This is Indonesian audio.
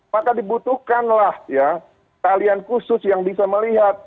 maka dibutuhkanlah ya talian khusus yang bisa melihat